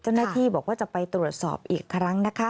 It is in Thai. เจ้าหน้าที่บอกว่าจะไปตรวจสอบอีกครั้งนะคะ